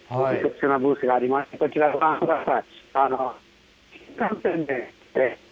ブースがあります、こちらご覧ください。